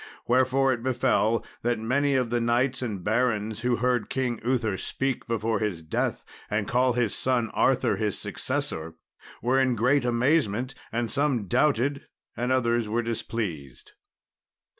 Wherefore it befell, that many of the knights and barons who heard King Uther speak before his death, and call his son Arthur his successor, were in great amazement; and some doubted, and others were displeased.